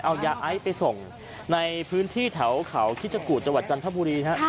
เอายาไอซ์ไปส่งในพื้นที่แถวเขาคิดชะกูดจังหวัดจันทบุรีฮะ